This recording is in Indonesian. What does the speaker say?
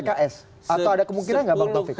kalau ada kemungkinan nggak bang topik